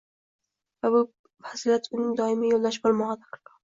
Va bu fazilat uning doimiy yoʻldoshi boʻlmogʻi darkor